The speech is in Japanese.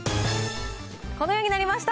このようになりました。